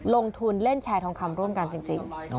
ลงทุนเล่นแชร์ทองคำร่วมกันจริง